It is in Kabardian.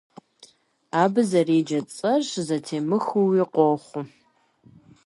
Абы зэреджэ цӀэр щызэтемыхуи къохъу.